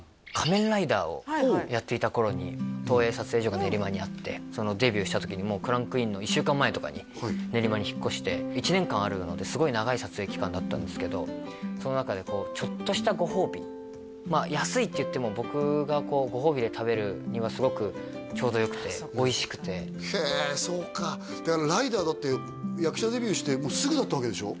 はいこれは東映撮影所が練馬にあってそのデビューした時にもうクランクインの１週間前とかに練馬に引っ越して１年間あるのですごい長い撮影期間だったんですけどその中でこうまあ安いっていっても僕がこうご褒美で食べるにはすごくちょうどよくておいしくてへえそうかだからライダーだって役者デビューしてもうすぐだったわけでしょ？